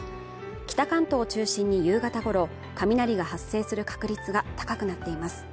北関東を中心に夕方ごろ雷が発生する確率が高くなっています